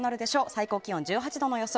最高気温１８度の予想。